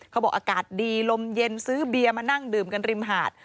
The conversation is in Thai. เขาบอกอากาศดีลมเย็นซื้อเบียร์มานั่งดื่มกันริมหาด